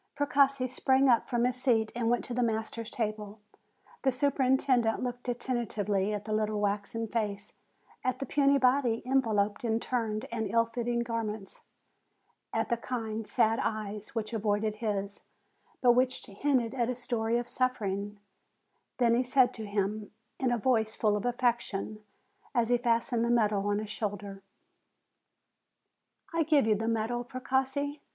Precossi sprang up from his seat and went to the master's table. The superintendent looked attentively at the little waxen face, at the puny body enveloped in turned and ill fitting garments, at the kind, sad eyes, which avoided his, but which hinted at a story of suffering; then he said to him, in a voice full of affection, as he fastened the medal on his shoulder ;* 116 A MEDAL WELL BESTOWED 117 "I give you the medal, Precossi.